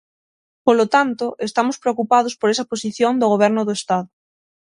Polo tanto, estamos preocupados por esa posición do Goberno do Estado.